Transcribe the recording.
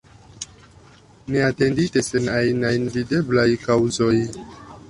Neatendite, sen ajnaj videblaj kaŭzoj.